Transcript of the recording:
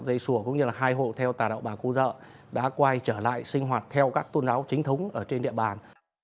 dây sùa cũng như là hai hộ theo tà đạo bà cô dợ đã quay trở lại sinh hoạt theo các tôn giáo chính thống ở trên địa bàn